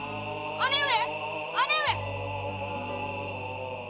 姉上！